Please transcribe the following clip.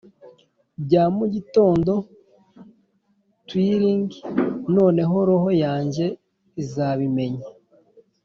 bya mugitondo twllight: noneho roho yanjye izabimenya